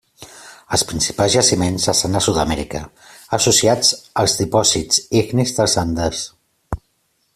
Els principals jaciments estan a Sud-amèrica, associats als dipòsits ignis dels Andes.